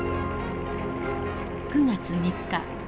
９月３日。